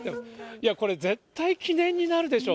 いやこれ、絶対記念になるでしょう。